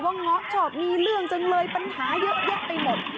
เงาะชอบมีเรื่องจังเลยปัญหาเยอะแยะไปหมด